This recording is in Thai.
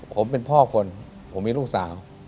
ผมเป็นพ่อคนผมมีลูกสาว